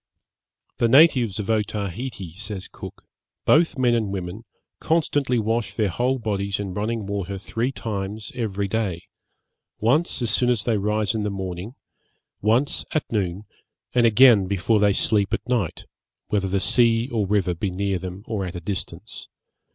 'The natives of Otaheite,' says Cook, 'both men and women, constantly wash their whole bodies in running water three times every day; once as soon as they rise in the morning, once at noon, and again before they sleep at night, whether the sea or river be near them or at a distance.